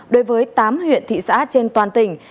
đối với tám huyện thị xã trên toàn tỉnh